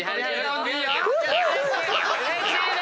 うれしいね。